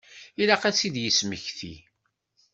Ilaq ad t-id-yesmekti.